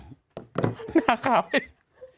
หน้าขาว